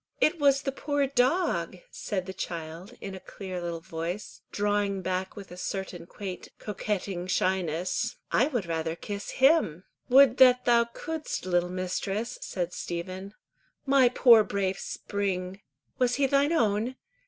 "It was the poor dog," said the child, in a clear little voice, drawing back with a certain quaint coquetting shyness; "I would rather kiss him." "Would that thou couldst, little mistress," said Stephen. "My poor brave Spring!" "Was he thine own?